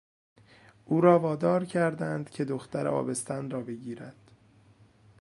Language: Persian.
او را وادار کردند که دختر آبستن را بگیرد.